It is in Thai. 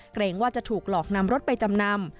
เกรงว่าจะถูกหลอกนำรถไปจำนำ